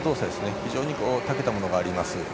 非常にたけたものがあります。